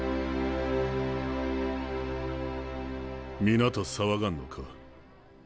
皆と騒がんのか？